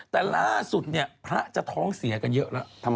แต่ล่าสุดเนี่ยพระจะท้องเสียกันเยอะแล้ว